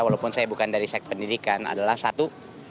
walaupun saya bukan dari seks pendidikan adalah satu